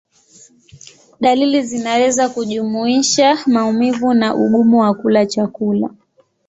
Dalili zinaweza kujumuisha maumivu na ugumu wa kula chakula.